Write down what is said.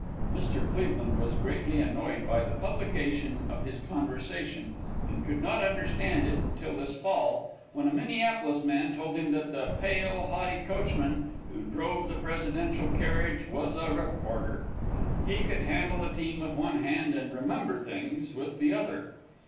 Mr. Cleveland was greatly annoyed by the publication of this conversation, and could not understand it until this fall, when a Minneapolis man told him that the pale, haughty coachman who drove the presidential carriage was a reporter. He could handle a team with one hand and remember things with the other.